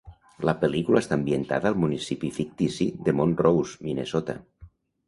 La pel·lícula està ambientada al municipi fictici de Mount Rose, Minnesota.